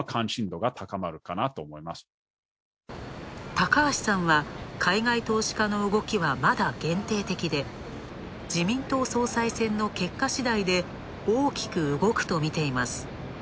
高橋さんは海外投資家の動きはまだ限定的で、自民党総裁選挙の結果次第で大きく動くと見ています。